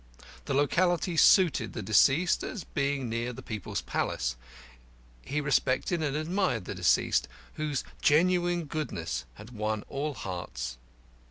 The locality suited the deceased, as being near the People's Palace. He respected and admired the deceased, whose genuine goodness had won all hearts.